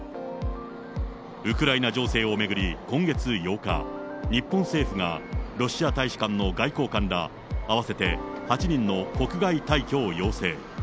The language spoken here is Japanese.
ウクライナ情勢を巡り、今月８日、日本政府がロシア大使館の外交官ら合わせて８人の国外退去を要請。